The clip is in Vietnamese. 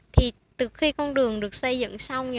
thì từ khi con đường được xây dựng xong